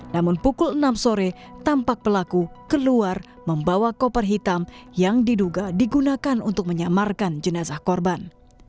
namun pukul enam sore tampak pelaku keluar membawa koper hitam yang diduga digunakan untuk menyamarkan jenazah korban